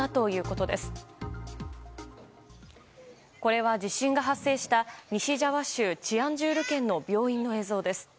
これは、地震が発生した西ジャワ州チアンジュール県の病院の映像です。